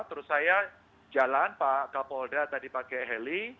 terus saya jalan pak kapolda tadi pakai heli